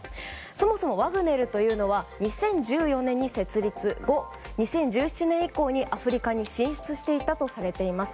そもそもワグネルというのは２０１４年に設立後２０１７年以降、アフリカに進出していたとされています。